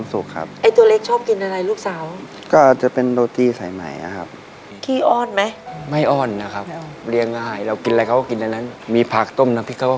แล้วเวลาเห็นท่านกินก็มีความสุข